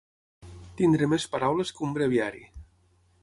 Tenir més paraules que un breviari.